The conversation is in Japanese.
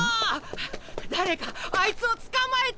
誰かあいつを捕まえて！